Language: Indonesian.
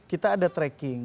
kita ada tracking